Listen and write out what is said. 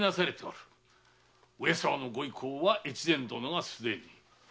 上様のご意向は越前殿がすでに。